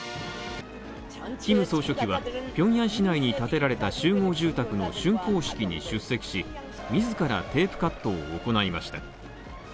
キム総書記はピョンヤン市内に建てられた集合住宅の竣工式に出席し、自らテープカットを行いました。